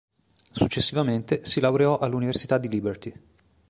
Successivamente si laureò all'università di Liberty.